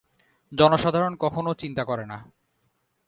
জনসাধারণ কখনও চিন্তা করে না।